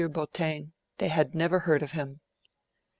Bautain, they had never heard of him.